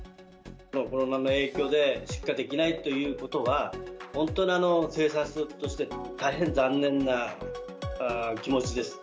コロナの影響で、出荷できないということは、本当に生産者として大変残念な気持ちです。